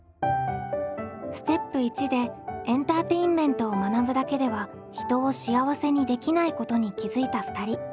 ステップ１でエンターテインメントを学ぶだけでは人を幸せにできないことに気付いた２人。